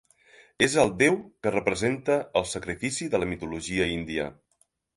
És el déu que representa el sacrifici de la mitologia índia.